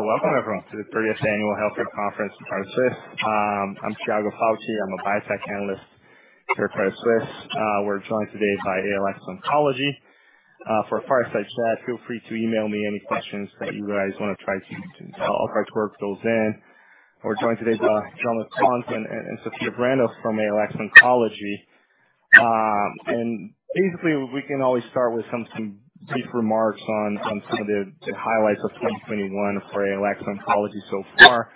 Perfect. Welcome everyone to the 30th Annual Healthcare Conference with Credit Suisse. I'm Tiago Fauth. I'm a biotech analyst here at Credit Suisse. We're joined today by ALX Oncology. For fireside chat, feel free to email me any questions that you guys wanna. I'll try to work those in. We're joined today by Jaume Pons and Sophia Randolph from ALX Oncology. Basically we can always start with some brief remarks on some of the highlights of 2021 for ALX Oncology so far.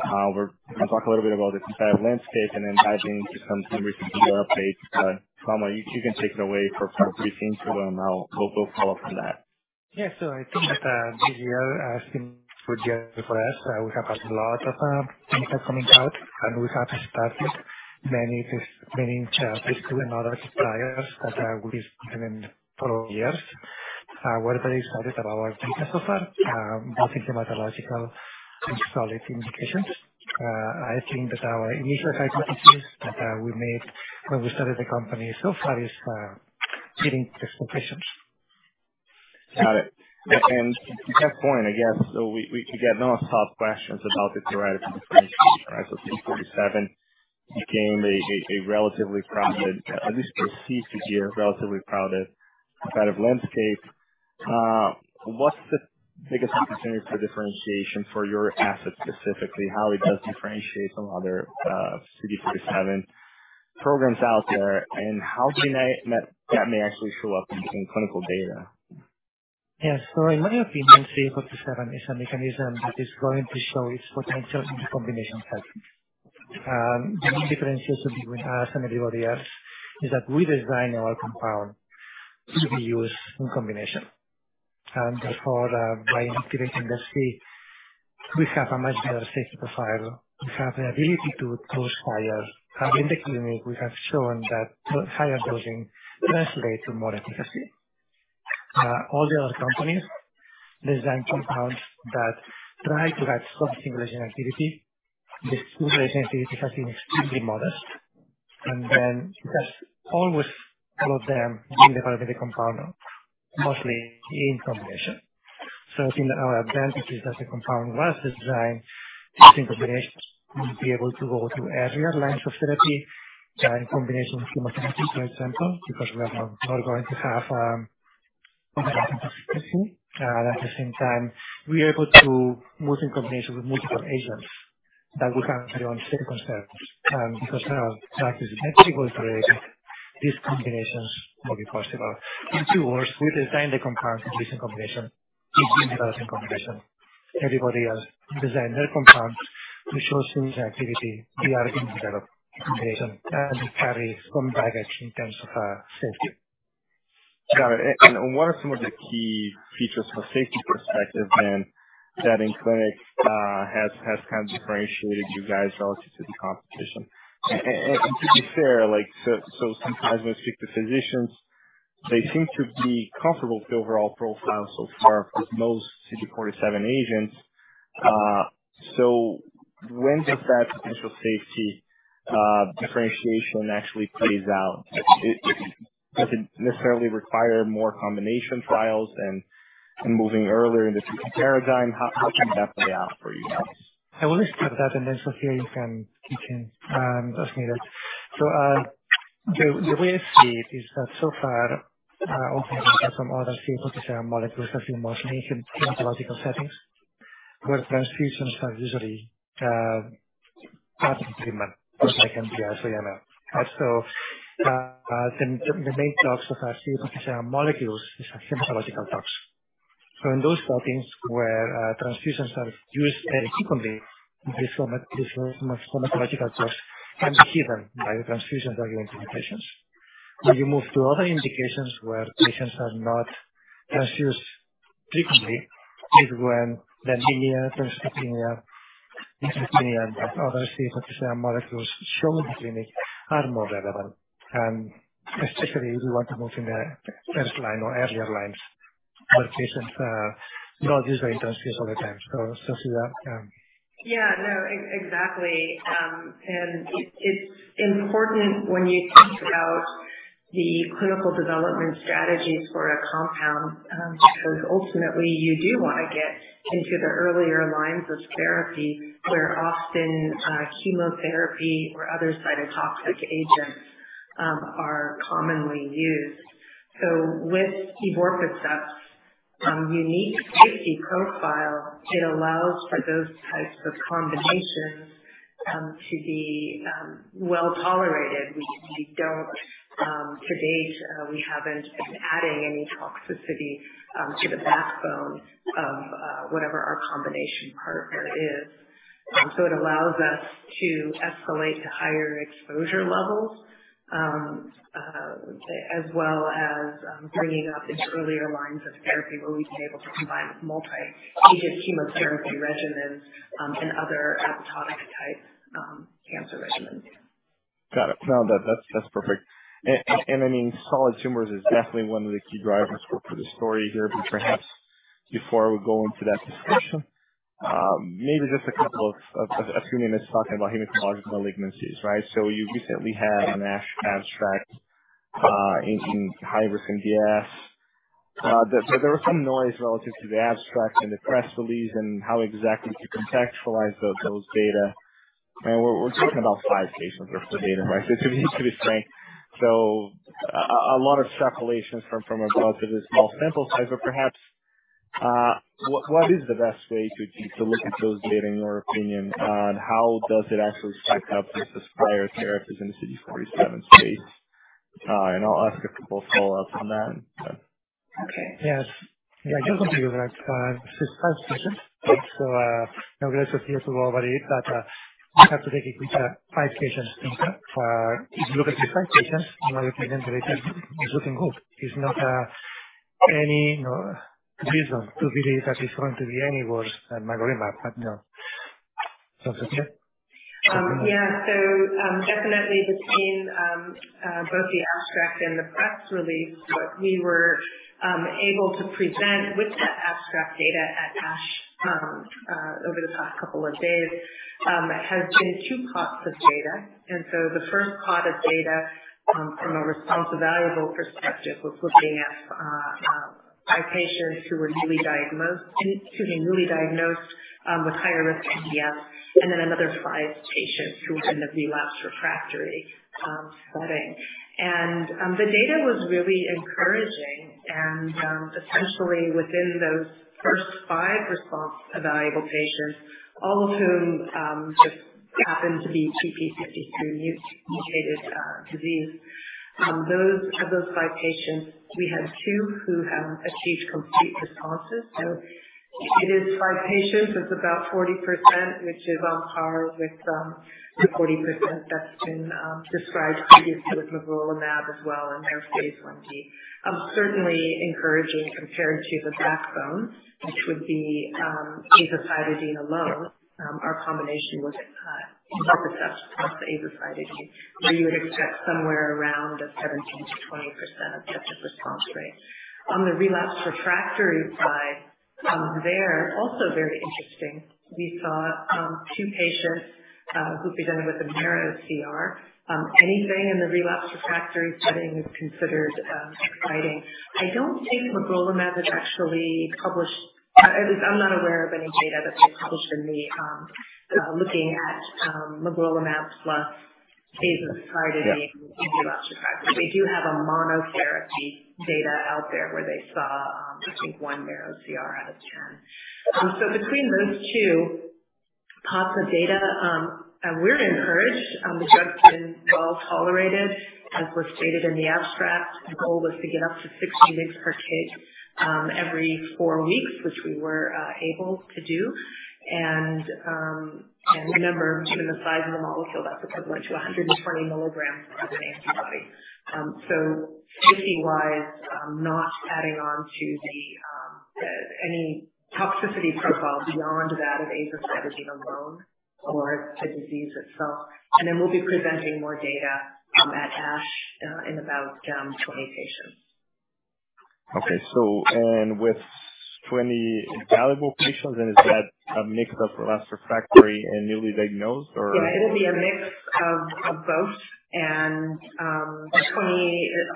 We'll talk a little bit about the competitive landscape and then dive into some recent data updates. Jaume, you can take it away for a brief intro and we'll follow up from there. Yeah. I think that this year has been a good year for us. We have a lot of things coming out, and we have started many phase II in other solid tumors that will be coming in the following years. We're very excited about our data so far, both in hematologic and solid indications. I think that our initial hypothesis that we made when we started the company so far is hitting expectations. Got it. To that point, I guess so we could get nonstop questions about the derivative differentiation, right? CD47 became a relatively crowded, at least perceived to be a relatively crowded competitive landscape. What's the biggest opportunity for differentiation for your assets specifically, how it does differentiate from other, CD47 programs out there, and how can that may actually show up in clinical data? Yes. In my opinion, CD47 is a mechanism that is going to show its potential in combination settings. The main differences between us and everybody else is that we design our compound to be used in combination. Therefore, by inhibiting the CD47, we have a much better safety profile. We have the ability to dose higher. In the clinic, we have shown that higher dosing translates to more efficacy. All the other companies design compounds that try to have some single agent activity. The single agent activity has been extremely modest. Then that's always all of them being developed with the compound, mostly in combination. I think our advantage is that the compound was designed to be in combination. We'll be able to go to earlier lines of therapy in combination with chemotherapy, for example, because we are not going to have toxicity. At the same time, we are able to move in combination with multiple agents that we can carry without safety concerns, because our toxicity was low. These combinations will be possible. In two words, we designed the compounds to be in combination. It's been developed in combination. Everybody else design their compounds to show single agent activity. We develop in combination, and it carries some baggage in terms of safety. Got it. What are some of the key features from a safety perspective then that in clinic has kind of differentiated you guys relative to the competition? To be fair, like, so sometimes when I speak to physicians, they seem to be comfortable with the overall profile so far for most CD47 agents. When does that potential safety differentiation actually plays out? Does it necessarily require more combination trials and moving earlier in the treatment paradigm? How can that play out for you guys? I will start that and then Sophia you can as needed. The way I see it is that so far all patients from other CD47 molecules have been mostly in hematological settings where transfusions are usually part of treatment for second-line AML. The main tox of our CD47 molecules is a hematological tox. In those settings where transfusions are used very frequently, this hematological tox can be hidden by the transfusions that you give to patients. When you move to other indications where patients are not transfused frequently, is when anemia, thrombocytopenia, neutropenia, and other CD47 molecules shown in the clinic are more relevant. Especially if we want to move in the first line or earlier lines where patients not usually transfused all the time. Sophia. Yeah, no. Exactly. It's important when you think about the clinical development strategies for a compound, because ultimately you do wanna get into the earlier lines of therapy where often chemotherapy or other cytotoxic agents are commonly used. With evorpacept, unique safety profile, it allows for those types of combinations to be well tolerated. To date, we haven't been adding any toxicity to the backbone of whatever our combination partner is. It allows us to escalate to higher exposure levels as well as bringing up into earlier lines of therapy where we've been able to combine with multi-agent chemotherapy regimens and other apoptotic type cancer regimens. Got it. No, that's perfect. I mean, solid tumors is definitely one of the key drivers for the story here. Perhaps before we go into that discussion, maybe just a couple of a few minutes talking about hematologic malignancies, right? You recently had an ASH abstract in Higher-Risk MDS. There was some noise relative to the abstract and the press release and how exactly to contextualize those data. We're talking about five patients worth of data, right? To be frank. A lot of speculation from above to the small sample size or perhaps what is the best way to look at those data in your opinion? How does it actually stack up with the prior therapies in CD47 space? I'll ask a couple follow-ups on that. Okay. Yes. Yeah, I just want to go back. It's five patients. You know, aggressive here to go over it, but you have to take it with five patients. If you look at the five patients, you know, representative is looking good. It's not any reason to believe that it's going to be any worse than magrolimab. No. Sounds okay? Yeah. Definitely between both the abstract and the press release, what we were able to present with that abstract data at ASH over the past couple of days has been two parts of data. The first part of data from a response evaluable perspective was looking at five patients who were newly diagnosed with higher risk MDS and then another five patients who were in the relapsed refractory setting. The data was really encouraging. Essentially within those first five response evaluable patients, all of whom just happened to be TP53 mutated disease, of those five patients, we had two who have achieved complete responses. It is five patients, it's about 40%, which is on par with the 40% that's been described previously with magrolimab as well in their phase Ib. Certainly encouraging compared to the backbone, which would be azacitidine alone. Our combination was evorpacept plus azacitidine, where you would expect somewhere around 17%-20% as a response rate. The relapsed refractory side, there also very interesting. We saw two patients who presented with a marrow CR. Anything in the relapsed refractory setting is considered exciting. I don't think magrolimab has actually published. At least I'm not aware of any data that's been published in the looking at magrolimab plus azacitidine in relapsed refractory. They do have a monotherapy data out there where they saw, I think, one marrow CR out of 10. Between those two pops of data, we're encouraged. The drug's been well tolerated, as was stated in the abstract. The goal was to get up to 60 mg per kg every four weeks, which we were able to do. Remember, given the size of the molecule, that's equivalent to 120 mg of antibody. Safety-wise, not adding on to any toxicity profile beyond that of azacitidine alone or the disease itself. We'll be presenting more data at ASH in about 20 patients. With 20 evaluable patients, is that a mix of relapsed refractory and newly diagnosed or? Yeah, it'll be a mix of both.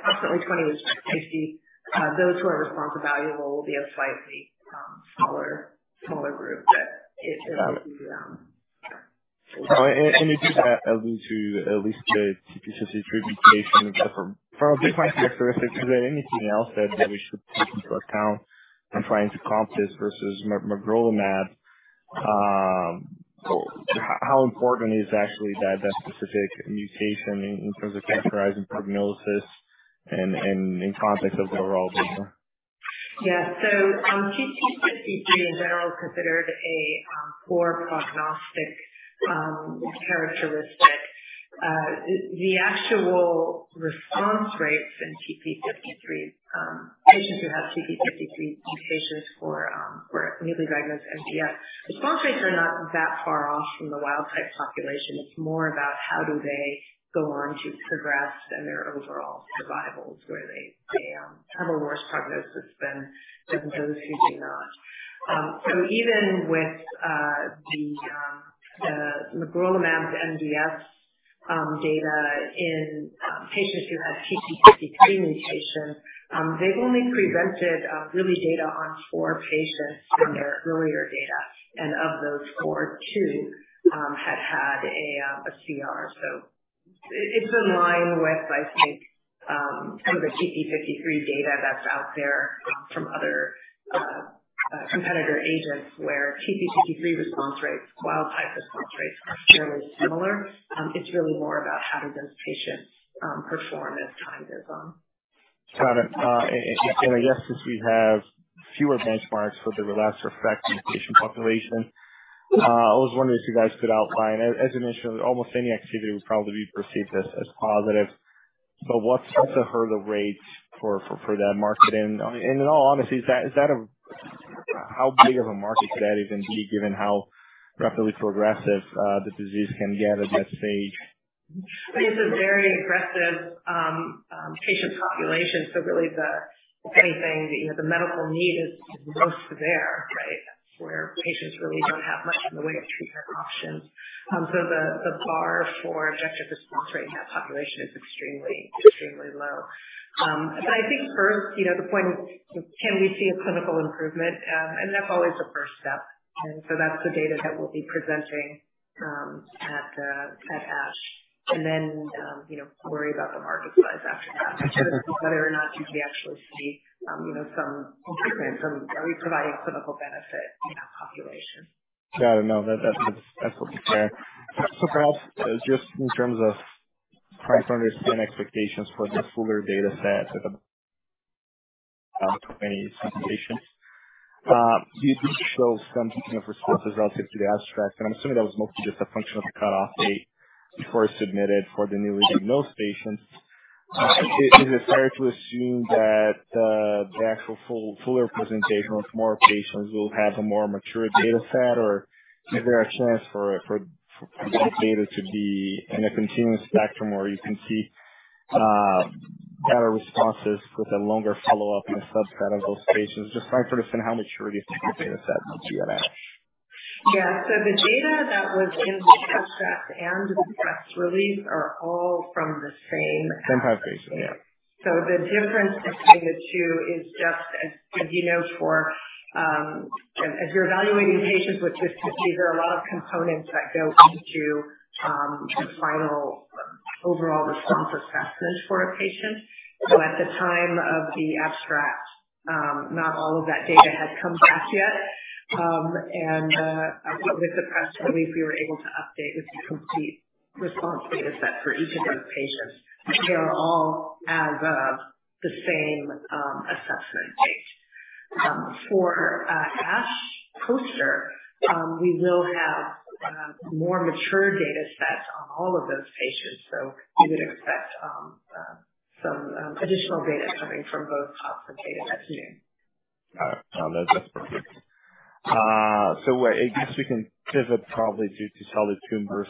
Possibly 20 with TP53. Those who are response evaluable will be a slightly smaller group that it will be. Anything that allude to at least the TP53 treatment patient from different characteristics. Is there anything else that we should take into account when trying to comp this versus magrolimab? How important is actually that specific mutation in terms of characterizing prognosis and in context of the overall data? Yeah. TP53 in general is considered a poor prognostic characteristic. The actual response rates in TP53 patients who have TP53 mutations for newly diagnosed MDS, response rates are not that far off from the wild type population. It's more about how do they go on to progress and their overall survivals where they have a worse prognosis than those who do not. Even with the magrolimab MDS data in patients who have TP53 mutations, they've only presented really data on four patients in their earlier data. Of those four, two had a CR. It's in line with, I think, some of the TP53 data that's out there from other competitor agents where TP53 response rates, wild type response rates are fairly similar. It's really more about how those patients perform as time goes on. Got it. I guess since we have fewer benchmarks for the relapsed refractory patient population, I was wondering if you guys could outline as you mentioned, almost any activity would probably be perceived as positive. What's the hurdle rate for that market? In all honesty, is that how big of a market could that even be given how rapidly progressive the disease can get at that stage? It's a very aggressive patient population. Really, anything that you know the medical need is most there, right? Where patients really don't have much in the way of treatment options. The bar for objective response rate in that population is extremely low. I think first, you know, the point, can we see a clinical improvement? That's always the first step. That's the data that we'll be presenting at ASH. You know, worry about the market size after that. Whether or not you can actually see you know some improvement from are we providing clinical benefit in that population. Got it. No, that's fair. Perhaps just in terms of trying to understand expectations for the fuller data set of the presentation. You did show some kind of responses relative to the abstract, and I'm assuming that was mostly just a function of the cutoff date before submitted for the newly enrolled patients. Is it fair to assume that the actual full, fuller presentation with more patients will have a more mature data set? Or is there a chance for this data to be in a continuous spectrum where you can see better responses with a longer follow-up in a subset of those patients, just trying to understand how mature do you think your data set will be at ASH? Yeah. The data that was in the abstract and the press release are all from the same- Same type of patients, yeah. The difference between the two is just as you note for as you're evaluating patients with toxicity, there are a lot of components that go into the final overall response assessment for a patient. At the time of the abstract, not all of that data had come back yet. With the press release we were able to update with the complete response data set for each of those patients. They all have the same assessment date. For ASH poster, we will have more mature data set on all of those patients. You would expect some additional data coming from both types of data sets, yeah. Got it. No, that's perfect. I guess we can pivot probably to solid tumors.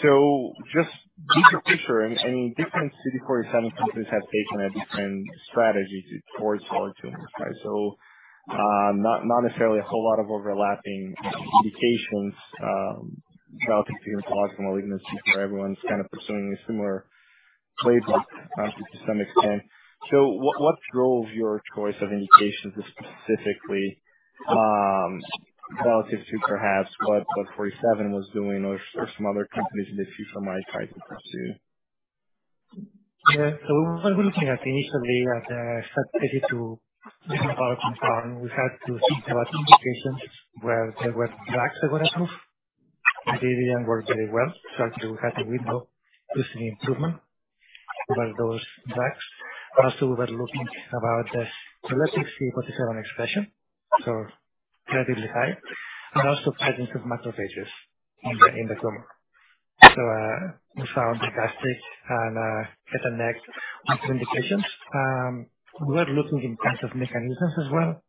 Just deeper picture, and different CD47 companies have taken a different strategy towards solid tumors, right? Not necessarily a whole lot of overlapping indications relative to solid malignancies where everyone's kind of pursuing a similar playbook to some extent. What drove your choice of indications specifically relative to perhaps what Forty Seven was doing or some other companies that you're familiar with pursue? What we were looking at initially at sub 32 different product compound, we had to think about indications where there were drugs that were approved, and they didn't work very well. Actually we had a window to see improvement over those drugs. We were looking about the selected CD47 expression, so relatively high. Also presence of macrophages in the tumor. We found the gastric and head and neck tumor indications. We were looking in terms of mechanisms as well.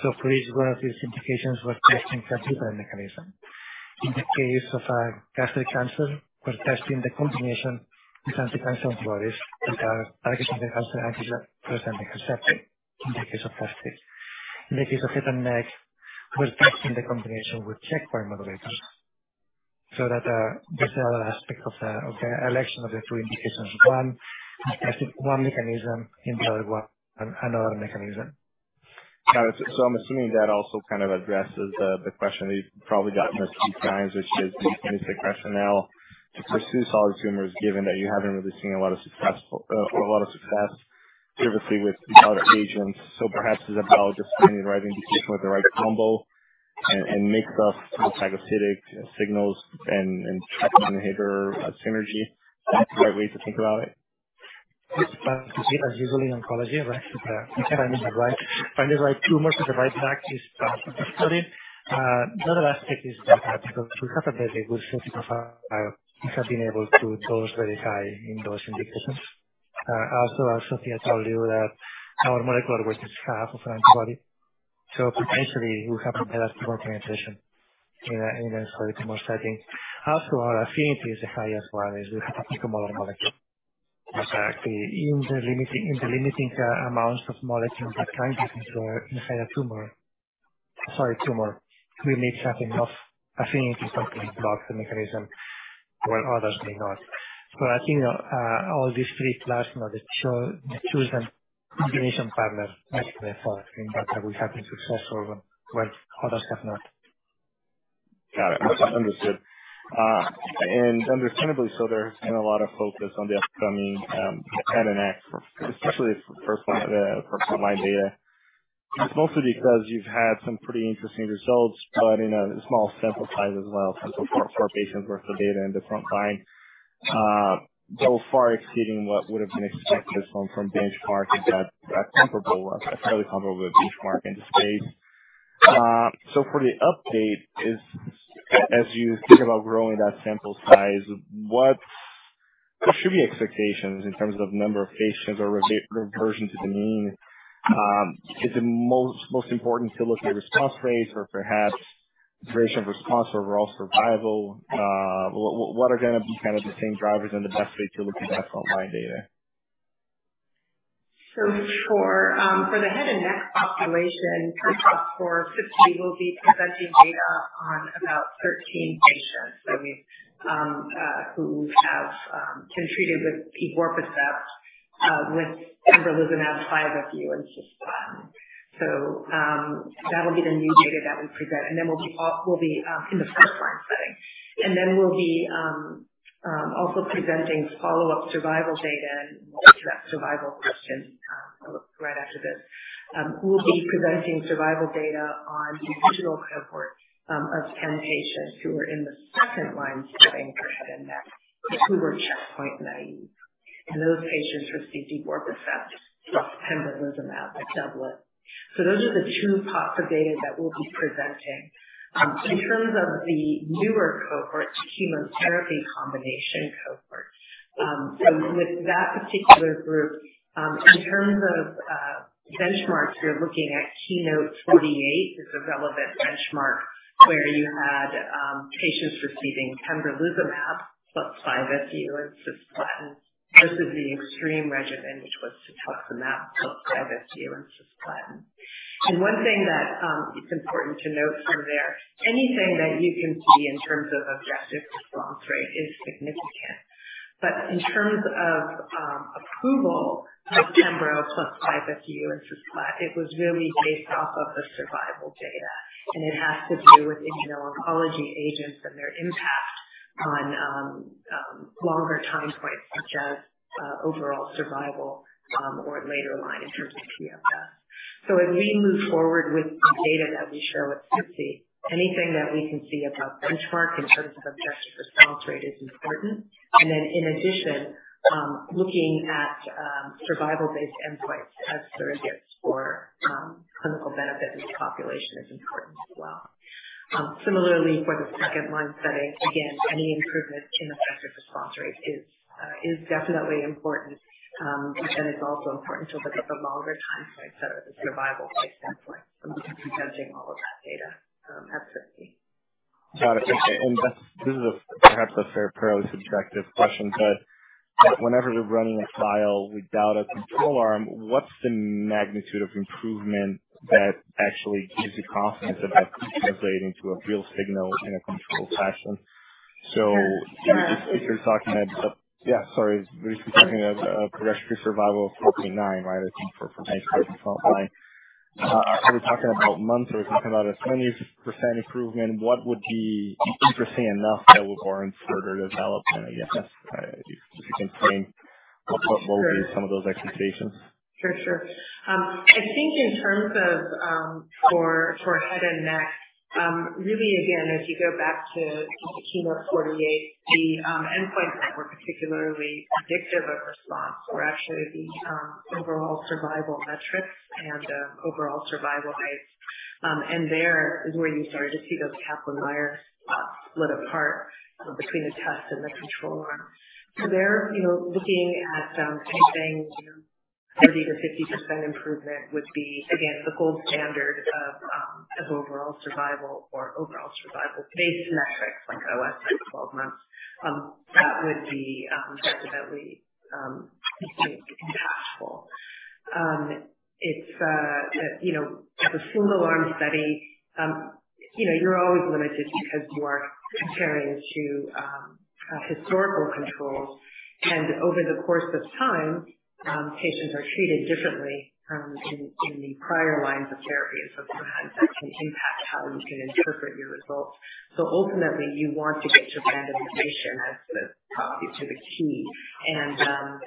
For each one of these indications, we're testing a different mechanism. In the case of gastric cancer, we're testing the combination with anti-cancer therapies which are targeting the cancer antigen presenting receptor in the case of gastric. In the case of head and neck, we're testing the combination with checkpoint modulators. That’s the other aspect of, okay, selection of the two indications. One, testing one mechanism and the other one another mechanism. Got it. I'm assuming that also kind of addresses the question that you've probably gotten a few times, which is the rationale to pursue solid tumors, given that you haven't really seen a lot of success previously with other agents. Perhaps it's about just finding the right indication or the right combo and mix of phagocytic signals and checkpoint inhibitor synergy. Is that the right way to think about it? Yes. As usual in oncology, to find the right tumor for the right patient. Another aspect is that, because we have a very good safety profile, we have been able to dose very high in those indications. Also as Sophia told you that our molecular weight is half of an antibody. Potentially we have a better tumor penetration in a solid tumor setting. Also our affinity is the highest one with a picomolar molecule. Actually in the limiting amounts of molecule that find its way inside a tumor, we may have enough affinity to block the mechanism where others may not. I think all these three plus now the chosen combination partner explains why we think that we have been successful where others have not. Got it. Understood. Understandably so, there's been a lot of focus on the upcoming head and neck, especially for front line data. It's mostly because you've had some pretty interesting results, but in a small sample size as well. Four patients worth of data in the front line, though far exceeding what would have been expected from benchmark, a fairly comparable benchmark in the space. For the update, as you think about growing that sample size, what should be expectations in terms of number of patients or reversion to the mean? Is it most important to look at response rates or perhaps duration of response, overall survival? What are going to be kind of the same drivers and the best way to look at that combined data? For the head and neck population, for SITC we will be presenting data on about 13 patients who have been treated with evorpacept with pembrolizumab, 5-FU and cisplatin. That'll be the new data that we present. We'll be in the first-line setting. We'll be also presenting follow-up survival data and more on that survival question right after this. We'll be presenting survival data on the original cohort of 10 patients who were in the second-line setting for head and neck, who were checkpoint-naive. Those patients received evorpacept plus pembrolizumab, the doublet. Those are the two parts of data that we'll be presenting. In terms of the newer cohort, chemotherapy combination cohort. With that particular group, in terms of benchmarks, you're looking at KEYNOTE-048 is a relevant benchmark where you had patients receiving pembrolizumab plus 5-FU and cisplatin versus the EXTREME regimen, which was cetuximab plus 5-FU and cisplatin. One thing that it's important to note from there, anything that you can see in terms of objective response rate is significant. In terms of approval of pembro plus 5-FU and cisplatin, it was really based off of the survival data, and it has to do with immuno-oncology agents and their impact on longer time points such as overall survival or later line in terms of PFS. As we move forward with the data that we show at SITC, anything that we can see above benchmark in terms of objective response rate is important. In addition, looking at survival-based endpoints as surrogates for clinical benefit in this population is important as well. Similarly for the second-line setting, again, any improvement in objective response rate is definitely important. It's also important to look at the longer time points that are the survival-based endpoint. We'll be presenting all of that data at SITC. Got it. This is perhaps a fairly subjective question, but whenever we're running a trial without a control arm, what's the magnitude of improvement that actually gives you confidence about translating to a real signal in a controlled fashion? If you're talking of progression-free survival of 14.9, right? I think for high-grade, are we talking about months? Are we talking about a 20% improvement? What would be interesting enough that would warrant further development, I guess? If you can frame what would be some of those expectations? Sure, sure. I think in terms of for head and neck, really again, as you go back to KEYNOTE-048, the endpoints that were particularly predictive of response were actually the overall survival metrics and overall survival rates. There is where you started to see those Kaplan-Meier plots split apart between the test and the control arm. There, you know, looking at something, you know, 30%-50% improvement would be again, the gold standard of overall survival or overall survival-based metrics like OS at 12 months. That would be definitely distinct and actionable. It's, you know, the single arm study, you know, you're always limited because you are comparing to historical controls. Over the course of time, patients are treated differently in the prior lines of therapy. Sometimes that can impact how you can interpret your results. Ultimately, you want to get to randomization. That's the key. That's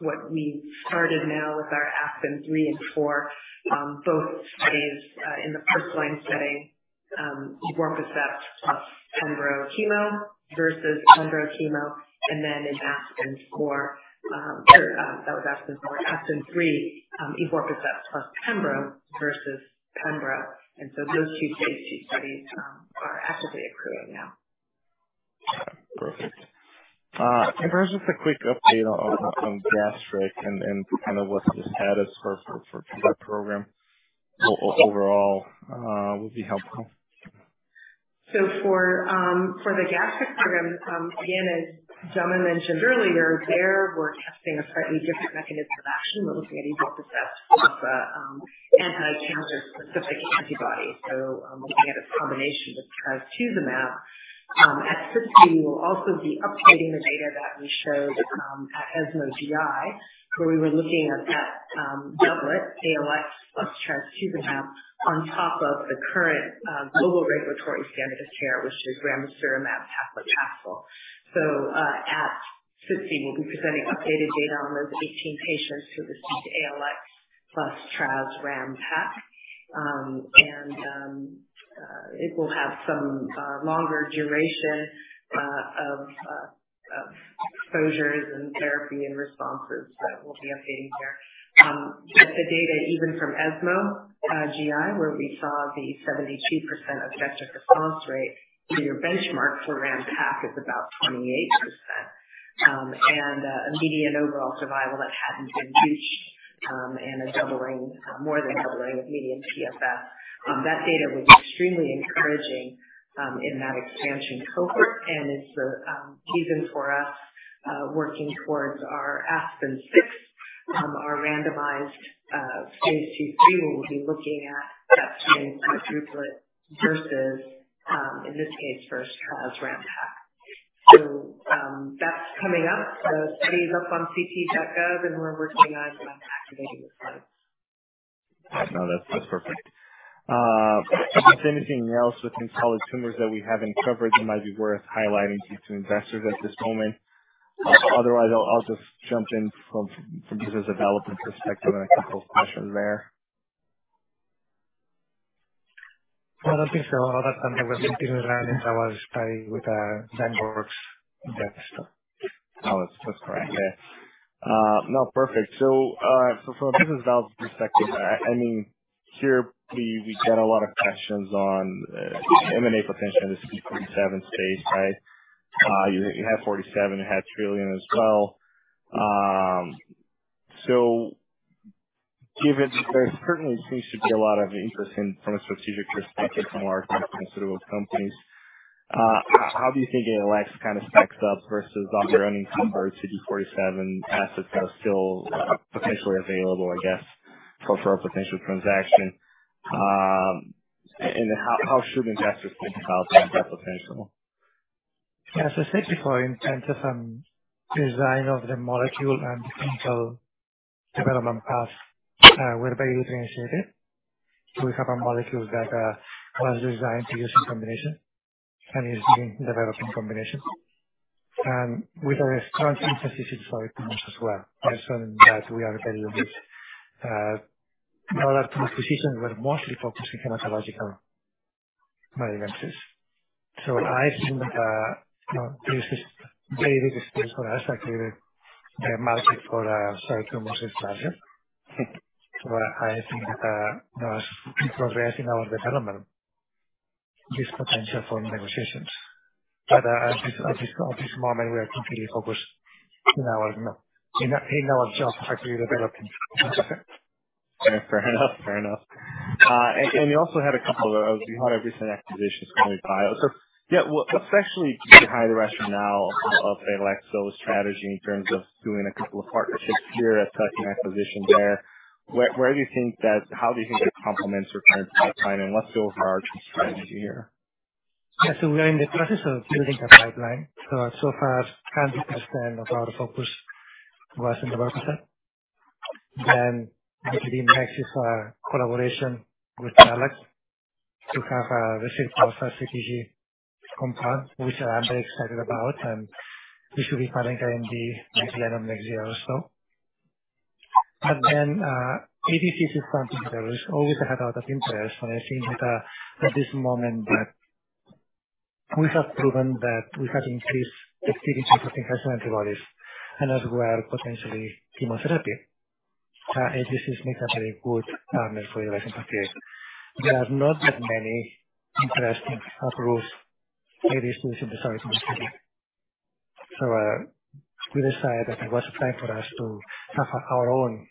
what we started now with our ASPEN-03 and ASPEN-04, both studies in the first line setting, evorpacept plus pembro chemo versus pembro chemo and then in ASPEN-04. Sorry, that was ASPEN-04. ASPEN-03, evorpacept plus pembro versus pembro. Those two phase II studies are actively accruing now. Got it. Perfect. Can I ask just a quick update on gastric and kind of what the status for that program overall would be helpful. For the gastric program, again, as Jaume mentioned earlier, there, we're testing a slightly different mechanism of action. We're looking at evorpacept plus a anti-cancer specific antibody. Looking at a combination with trastuzumab. At SITC, we will also be updating the data that we showed at ESMO GI, where we were looking at that doublet, ALX plus trastuzumab, on top of the current global regulatory standard of care, which is ramucirumab plus paclitaxel. At SITC, we'll be presenting updated data on those 18 patients who received ALX plus trastuzumab ramucirumab paclitaxel. It will have some longer duration of exposures and therapy and responses that we'll be updating there. The data even from ESMO GI, where we saw the 72% objective response rate to your benchmark for ramucirumab + paclitaxel is about 28%, and a median overall survival that hasn't been reached, and is doubling, more than doubling with median PFS. That data was extremely encouraging in that expansion cohort, and it's the reason for us working towards our ASPEN-06, our randomized phase II/III, where we'll be looking at the triplet versus, in this case, first-line ramucirumab + paclitaxel. That's coming up. The study is up on clinicaltrials.gov, and we're working on activating the study. No, that's perfect. If there's anything else within solid tumors that we haven't covered that might be worth highlighting to investors at this moment? Otherwise, I'll just jump in from business development perspective and a couple of questions there. I don't think so. Other than that, we'll continue running our study with, Zymeworks dataset. That's correct. Perfect. From a business development perspective, I mean, here we get a lot of questions on M&A potential in the CD47 space, right? You have Forty Seven, you had Trillium as well. Given there certainly seems to be a lot of interest in, from a strategic perspective from our considerable companies, how do you think ALX kind of stacks up versus on your own compared to CD47 assets that are still potentially available, I guess, for a potential transaction? And how should investors think about that potential? CD47 in terms of design of the molecule and clinical development path, we were very differentiated. We have a molecule that was designed to use in combination and is being developed in combination. With a strong sensitivity for solid tumors as well. In that we are very unique. All our acquisitions were mostly focused in hematological malignancies. I think that this is very good space for us, actually, the market for solid tumors project. I think that as we progress in our development, this potential for negotiations. At this moment, we are completely focused in our job actually developing. Fair enough. Yeah. You also had a couple of recent acquisitions coming by. What's actually behind the rationale of ALX Oncology's strategy in terms of doing a couple of partnerships here, a tuck acquisition there. Where do you think that how do you think it complements your current pipeline, and what's the overarching strategy here? Yeah. We are in the process of building a pipeline. So far 100% of our focus was in the heme side. Actually the next is our collaboration with ALX to have a received process CTG compound, which I'm very excited about, and we should be filing IND next month or next year or so. ADCs is something that was always an area of interest. I think that, at this moment that we have proven that we have increased the efficacy of antibodies and as well potentially chemotherapy. ADC makes a very good partner for ALX in particular. There are not that many interesting approved ADCs in the solid tumors setting. We decided that it was time for us to have our own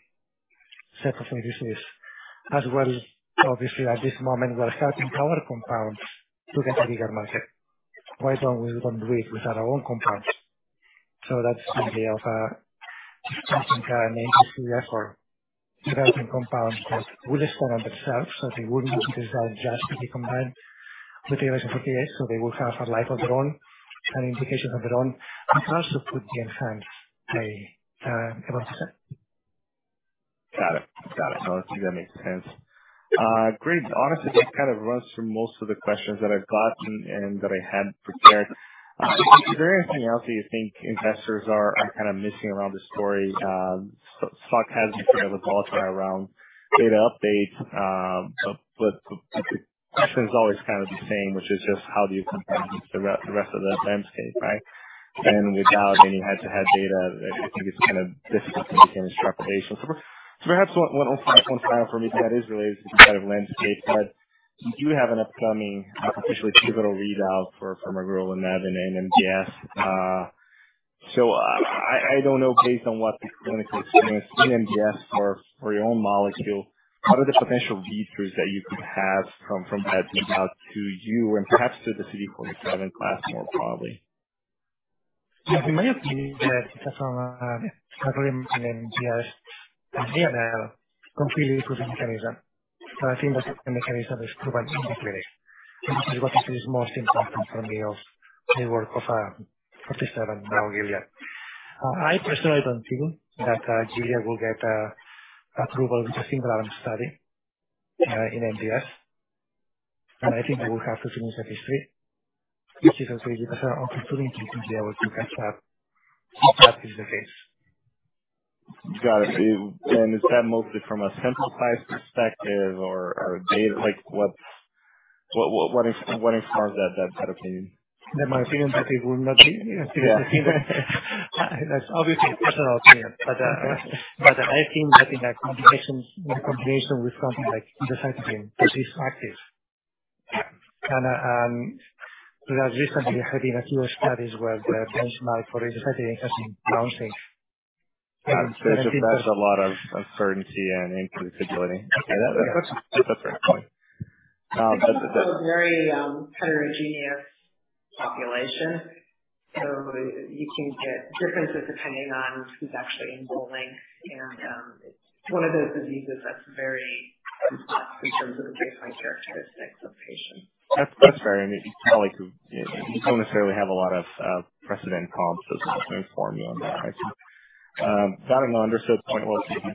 set of ADCs as well. Obviously at this moment we are starting our compounds to get a bigger market. Why don't we do it with our own compounds? That's the idea of starting an industry effort, developing compounds that would expand on themselves, so they wouldn't be designed just to be combined with the ALX, so they will have a life of their own and indications of their own, and also put the enhanced. No, I see that makes sense. Great. Honestly, that kind of runs through most of the questions that I've got and that I had prepared. Is there anything else that you think investors are kind of missing around the story? Stock has been volatile around data updates. The question is always kind of the same, which is just how do you compare against the rest of the landscape, right? Without any head-to-head data, I think it's kind of difficult to make any extrapolation. Perhaps one last one for me that is related to the competitive landscape, but you do have an upcoming officially pivotal readout for magrolimab in MDS. I don't know, based on what the clinical experience in MDS for your own molecule, what are the potential features that you could have from that readout to you and perhaps to the CD47 class more broadly? In my opinion, the data from magrolimab in MDS and AML completely proves the mechanism. I think the mechanism is proven in the clinic, which is what is most important for me of the work of Forty Seven now Gilead. I personally don't think that Gilead will get approval with a single arm study in MDS, and I think they will have to finish the study, which is also an opportunity to be able to catch up if that is the case. Got it. Is that mostly from a sample size perspective or a data? Like, what informs that opinion? That's my opinion that it will not be. That's obviously a personal opinion. But I think that in a combination with something like azacitidine, which is active. We have recently had a few studies where the outcome for azacitidine has been bouncing. Got it. There's just not a lot of certainty and inclusivity. That's a fair point. That's- It's also a very heterogeneous population, so you can get differences depending on who's actually enrolling. It's one of those diseases that's very complex in terms of the baseline characteristics of patients. That's fair. You probably could. You don't necessarily have a lot of precedent comps to inform you on that. Right. Got it. No, understood the point well taken.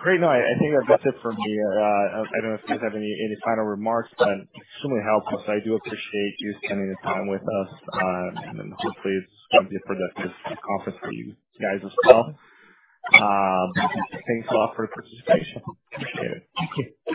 Great. No, I think that's it for me. I don't know if you guys have any final remarks, but extremely helpful. I do appreciate you spending the time with us. Hopefully it's a productive conference for you guys as well. Thanks a lot for your participation. Appreciate it. Thank you.